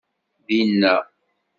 Dinna.